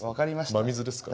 真水ですから。